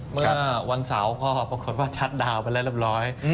เมื่อวันเสาร์ก็ปรากฏว่าชัดดาวนไปแล้วเรียบร้อย